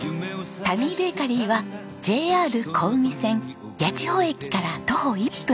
タミーベーカリーはＪＲ小海線八千穂駅から徒歩１分。